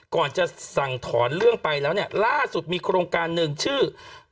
ก่อนจะสั่งถอนเรื่องไปแล้วเนี่ยล่าสุดมีโครงการหนึ่งชื่อ